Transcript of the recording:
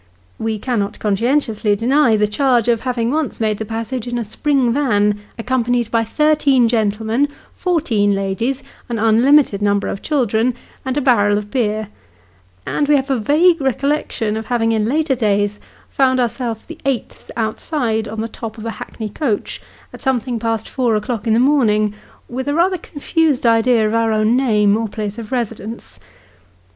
We cannot conscientiously deny 82 Sketches by Bos. the charge of having once made the passage in a spring van, accom panied by thirteen gentlemen, fourteen ladies, an unlimited number of children, and a barrel of beer ; and we have a vague recollection of having, in later days, found ourself the eighth outside, on the top of a hackney coach, at something past four o'clock in the morning, with a rather confused idea of our own name, or place of residence.